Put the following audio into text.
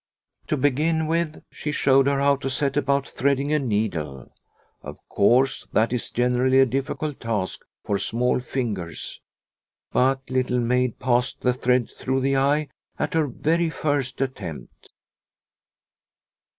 To begin with, she showed her how to set about threading a needle. Of course, that is generally a difficult task for small fingers, but Little Maid passed the thread through the eye at her very first attempt.